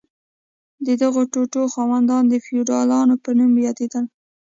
د دغو ټوټو خاوندان د فیوډالانو په نوم یادیدل.